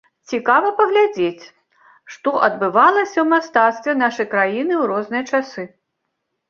Цікава паглядзець, што адбывалася ў мастацтве нашай краіны ў розныя часы.